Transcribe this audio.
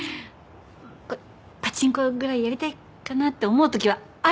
こうパチンコぐらいやりたいかなって思うときはあるのよ。